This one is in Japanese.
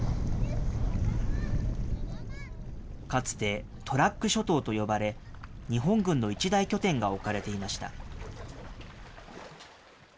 かつてトラック諸島と呼ばれ、日本軍の一大拠点が置かれていました。